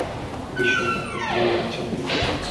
বিস্ময় কাটাতে সময় লাগছে অনেকের।